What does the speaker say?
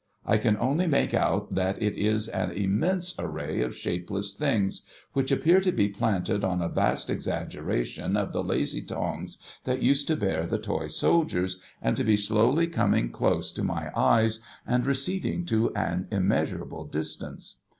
I can only make out that it is an immense array of shapeless things, which appear to be planted on a vast exaggeration of the lazy tongs that used to bear the toy soldiers, and to be slowly coming close to my eyes, and receding to an immeasurable distance.